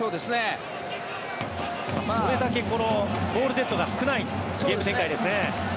それだけボールデッドが少ないゲーム展開ですね。